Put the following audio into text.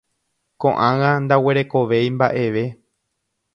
Koʼág̃a ndaguerekovéi mbaʼeve.